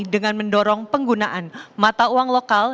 dengan mendorong penggunaan mata uang lokal